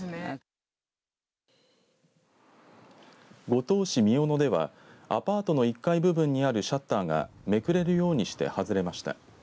五島市三尾野ではアパートの１階部分にあるシャッターがめくれるようにして外れました。